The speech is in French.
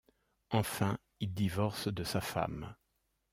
Enfin il divorce de sa femme.